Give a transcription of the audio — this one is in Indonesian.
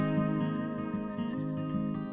saya mencoba dengan kekuatan